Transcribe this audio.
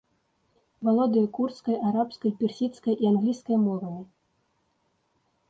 Валодае курдскай, арабскай, персідскай і англійскай мовамі.